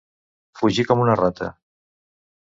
Fugir com una rata.